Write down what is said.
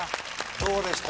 どうでした？